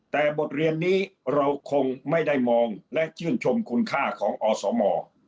แต่บทเรียนนี้เราคงไม่ได้มองและชื่นชมคุณค่าของอสม